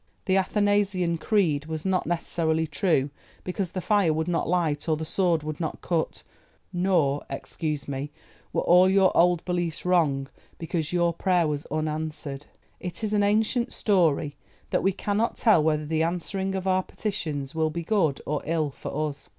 The Athanasian Creed was not necessarily true because the fire would not light or the sword would not cut, nor, excuse me, were all your old beliefs wrong because your prayer was unanswered. It is an ancient story, that we cannot tell whether the answering of our petitions will be good or ill for us.